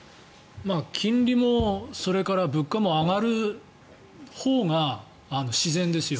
金利もそれから、物価も上がるほうが自然ですよ。